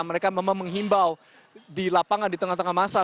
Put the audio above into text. mereka memang menghimbau di lapangan di tengah tengah masa